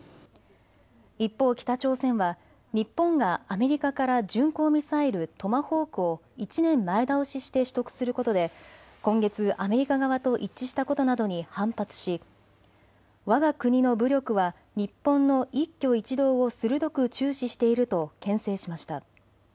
一方、北朝鮮は日本がアメリカから巡航ミサイル、トマホークを１年前倒しして取得することで今月、アメリカ側と一致したことなどに反発しわが国の武力は日本の一挙一動を鋭く注視しているとけん制しました。